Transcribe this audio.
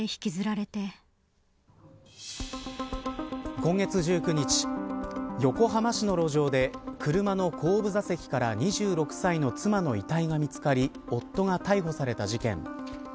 今月１９日横浜市の路上で車の後部座席から２６歳の妻の遺体が見つかり夫が逮捕された事件。